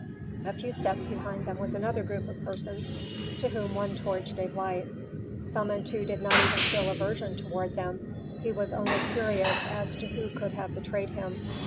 A few steps behind them was another group of persons to whom one torch gave light. Samentu did not even feel aversion toward them, he was only curious as to who could have betrayed him.